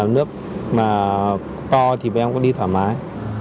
nếu mà nước to thì mình không có đi thoải mái